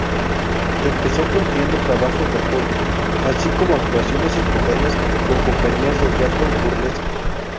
Empezó cumpliendo trabajos de apoyo, así como actuaciones secundarias con compañías de teatro burlesco.